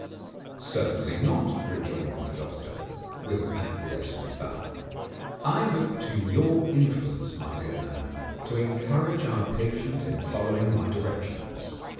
"Certainly not," rejoined the doctor, with an acquiescent bow. "I look to your influence, my dear madam, to encourage our patient in following my directions.